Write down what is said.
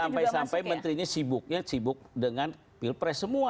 sampai sampai menterinya sibuknya sibuk dengan pilpres semua